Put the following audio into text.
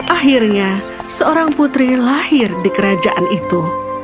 akhirnya seorang putri lahir di kerajaan itu